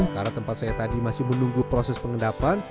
karena tempat saya tadi masih menunggu proses pengendapan